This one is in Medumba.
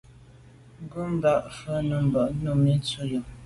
Nùgà fə̀ mfá bɔ̀ mə̀mbâ ntɔ́n Nùmí á sʉ́ á’.